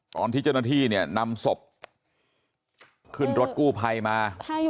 ก่อนที่เจ้าหน้าที่นำศพขึ้นรถกู้ไพมา